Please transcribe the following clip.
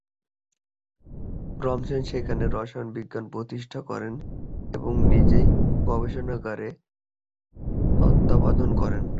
রেমসেন সেখানে রসায়ন বিভাগ প্রতিষ্ঠা করেন এবং নিজের গবেষণাগারের তত্ত্বাবধান করেন।